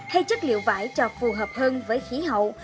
hay chất liệu vải cho phù hợp hơn với khí hậu